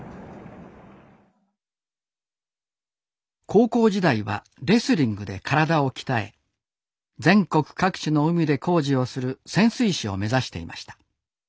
高校時代はレスリングで体を鍛え全国各地の海で工事をする潜水士を目指していました。